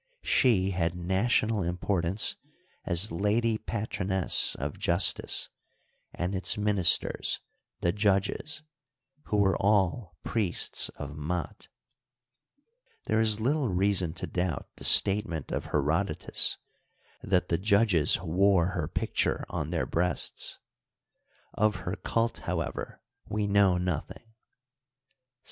She had national importance as lady patroness of justice and its ministers, the judges, who were all priests of Mat, There is little reason to doubt the statement of Herodotus that the judges wore her pict ure on their breasts. Of her cult, however, we know nothing.